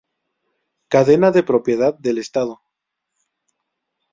Cadena de propiedad del Estado.